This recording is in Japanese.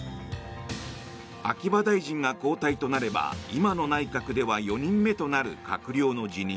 秋葉大臣が交代となれば今の内閣では４人目となる閣僚の辞任。